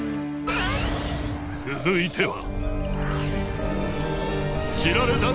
続いては。